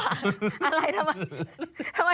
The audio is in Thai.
อะไรทำไม